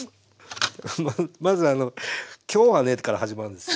まず「今日はね」から始まるんですよ。